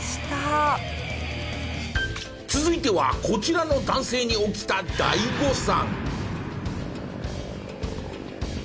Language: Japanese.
続いてはこちらの男性に起きた大誤算。